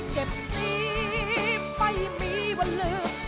เจ็บนี้ไม่มีวันลืม